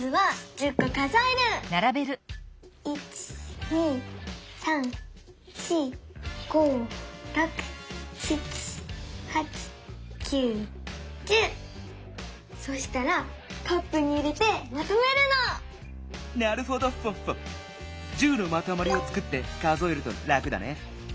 １０のまとまりをつくって数えるとラクだね。